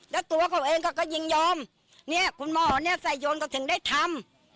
เขาบอกว่าเขาทำผู้ชายด้วยใช่ไหม